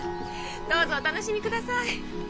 どうぞお楽しみください。